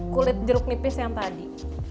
kulit jeruk nipis yang tadi